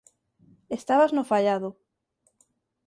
Estabas no faiado.